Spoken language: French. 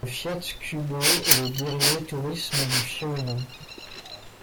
Le Fiat Qubo est le dérivé tourisme du Fiorino.